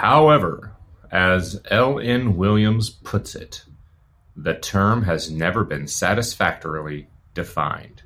However, as L. N. Williams puts it, "the term has never been satisfactorily defined".